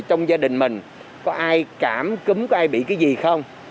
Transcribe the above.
trong gia đình mình có ai cảm cúm ai bị cái gì không